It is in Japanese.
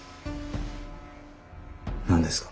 何ですか？